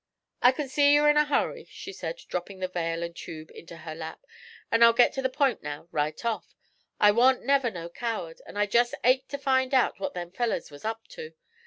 'I c'n see you're in a hurry,' she said, dropping the veil and tube into her lap, 'an' I'll git to the pint now, right off. I wa'n't never no coward, and I jest ached to find out what them fellows was up to.